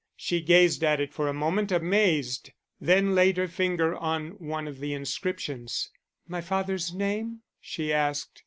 She gazed at it for a moment, amazed, then laid her finger on one of the inscriptions. "My father's name?" she asked.